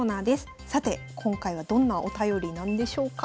さて今回はどんなお便りなんでしょうか。